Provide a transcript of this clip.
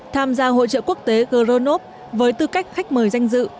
tham gia hội trợ quốc tế gronov với tư cách khách mời danh dự